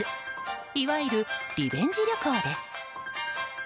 いわゆる、リベンジ旅行です。